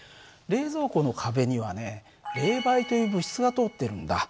冷蔵庫の壁にはね冷媒という物質が通ってるんだ。